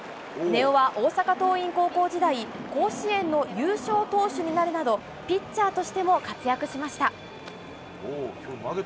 根尾は大阪桐蔭高校時代、甲子園の優勝投手になるなど、ピッチャーとしても活躍しました。